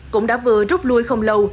cũng đã vừa rút lui không lâu